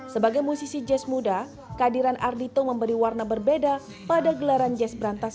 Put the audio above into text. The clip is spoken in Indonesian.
sebagai musisi jazz muda kehadiran ardhito memberi warna berbeda pada gelaran jazz berantas